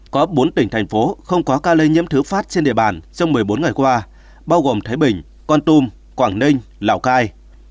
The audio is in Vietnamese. có bốn tỉnh thành phố không có ca lây nhiễm thứ phát trên địa bàn trong một mươi bốn ngày qua bao gồm thái bình con tum quảng ninh lào cai